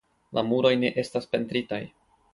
La muroj ne estas pentritaj.